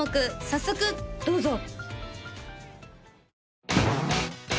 早速どうぞ！